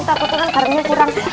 takut takut kan karunnya kurang